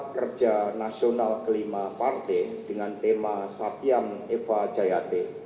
kerja nasional kelima partai dengan tema satyam eva jayate